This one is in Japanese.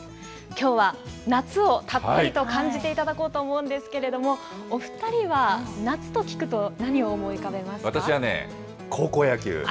きょうは夏をたっぷりと感じていただこうと思うんですけれども、お２人は夏と聞くと、何を思い浮私はね、高校野球。